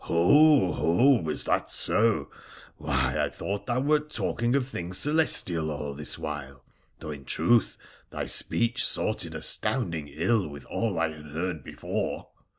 ' Ho ! ho ! Was that so ? Why, I thought thou wert talking of things celestial all this while, though, in truth, thy speech sorted astounding ill with all I had heard before